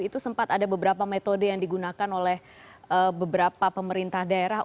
itu sempat ada beberapa metode yang digunakan oleh beberapa pemerintah daerah